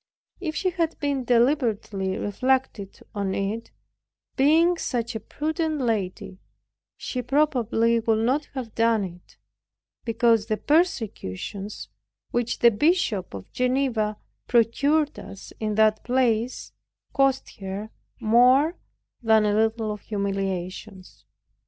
If she had deliberately reflected on it, being such a prudent lady, she probably would not have done it; because the persecutions, which the Bishop of Geneva procured us in that place, cost her more than a little of humiliations.